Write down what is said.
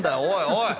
おい！